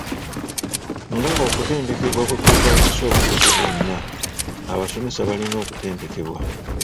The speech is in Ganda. Nga okutendekebwa bwe kwetaagisa obukugu bwonna, abasomesa balina okutendekebwa.